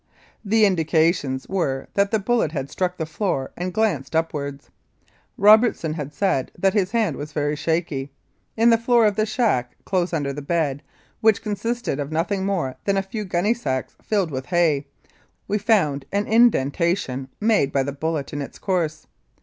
The indications were that the bullet had struck the floor and glanced upwards. Robertson had said that his hand was very shaky. In the floor of the shack, close under the bed, which consisted of nothing more than a few gunny sacks filled with hay, we found an indenta tion made by the bullet in its course.